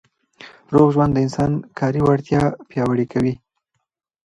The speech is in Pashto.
روغ ژوند د انسان کاري وړتیا پیاوړې کوي.